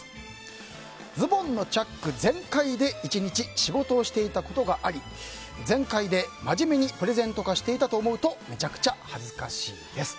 ズボンのチャック全開で１日、仕事をしていたことがあり全開で真面目にプレゼンとかしていたと思うとめちゃくちゃ恥ずかしいです。